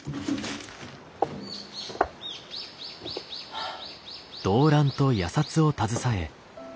はあ。